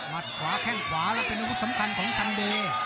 มัดขวาแค่ขวาแล้วเป็นอุปสรรค์สำคัญของซัมเดย์